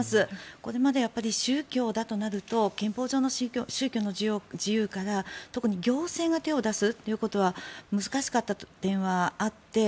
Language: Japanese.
これまで宗教だとなると憲法上の宗教の自由から特に行政が手を出すということは難しかった点はあって。